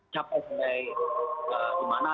capai sampai di mana